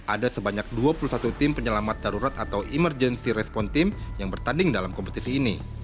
ada sebanyak dua puluh satu tim penyelamat darurat atau emergency response team yang bertanding dalam kompetisi ini